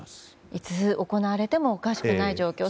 いつ行われてもおかしくない状況。